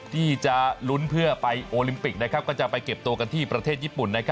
ที่จะลุ้นเพื่อไปโอลิมปิกก็จะไปเก็บตัวกันที่ประเทศญี่ปุ่น